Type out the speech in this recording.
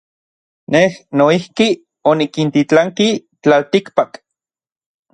Nej noijki onikintitlanki tlaltikpak.